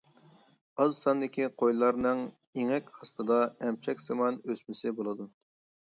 ئاز ساندىكى قويلارنىڭ ئېڭەك ئاستىدا ئەمچەكسىمان ئۆسمىسى بولىدۇ.